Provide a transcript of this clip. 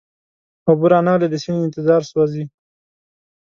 اوبه را نغلې د سیند انتظار سوزی